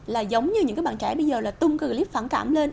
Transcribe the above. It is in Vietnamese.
là giống như những cái bạn trẻ bây giờ là tung clip phản cảm lên